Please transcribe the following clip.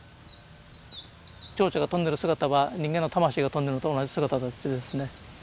蝶々が飛んでる姿は人間の魂が飛んでるのと同じ姿だというですね。